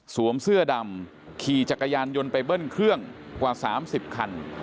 เสื้อดำขี่จักรยานยนต์ไปเบิ้ลเครื่องกว่า๓๐คัน